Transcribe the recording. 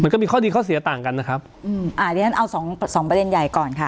ก็มีข้อดีข้อเสียต่างกันนะครับอืมอ่าเดี๋ยวฉันเอาสองสองประเด็นใหญ่ก่อนค่ะ